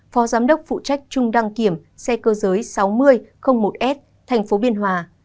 phó giám đốc phụ trách trung đăng kiểm xe cơ giới sáu mươi một s tp biên hòa